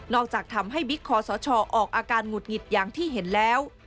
จากทำให้บิ๊กคอสชออกอาการหงุดหงิดอย่างที่เห็นแล้ว